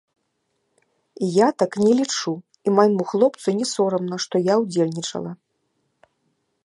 Я так не лічу, і майму хлопцу не сорамна, што я ўдзельнічала.